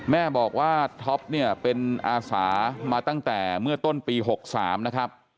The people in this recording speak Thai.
แม่บอกว่าท็อปเนี่ยเป็นอาสามาตั้งแต่เมื่อต้นปี๖๓นะครับ